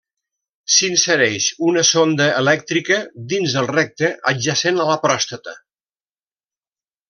S'insereix una sonda elèctrica dins el recte adjacent a la pròstata.